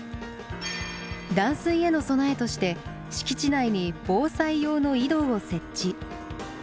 断水への備えとして敷地内に防災用の井戸を設置。